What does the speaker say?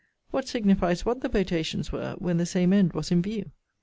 What signifies what the potations were, when the same end was in view?